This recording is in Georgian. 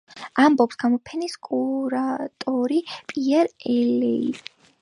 ამბობს გამოფენის კურატორი პიტერ ელეი.